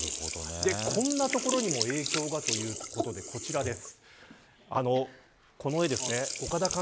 こんなところにも影響がというところで、こちらです。